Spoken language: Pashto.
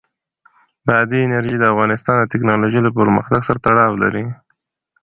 بادي انرژي د افغانستان د تکنالوژۍ له پرمختګ سره تړاو لري.